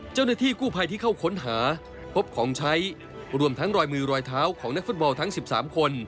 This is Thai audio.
เจ้าหน้าที่กู้ภัยที่เข้าค้นหาพบของใช้รวมทั้งรอยมือรอยเท้าของนักฟุตบอลทั้ง๑๓คน